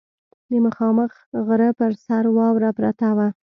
د مخامخ غره پر سر واوره پرته وه.